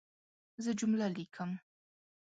زه جمله لیکم.